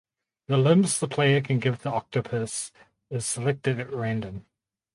The limbs the player can give the octopus is selected at random.